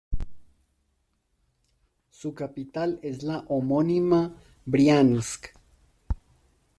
Su capital es la homónima Briansk.